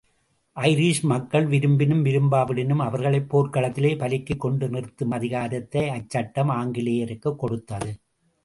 Irish மக்கள் விரும்பினாலும் விரும்பாவிடினும் அவர்களைப் போர்க்களத்திலே பலிக்குக் கொண்டு நிறுத்தும் அதிகாரத்தை அச்சட்டம் ஆங்கிலேயருக்கு கொடுத்தது.